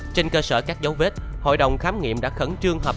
trên cơ sở các dấu vết hội đồng khám nghiệm đã khẩn trương họp